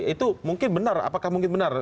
itu mungkin benar apakah mungkin benar